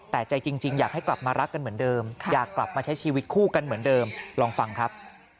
แต่ใจจริงอยากให้กลับมารักกันเหมือนเดิมอยากกลับมาใช้ชีวิตคู่กันเหมือนเดิมลองฟังครับ